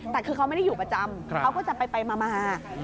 แต่คือเขาไม่ได้อยู่ประจำเขาก็จะไปมา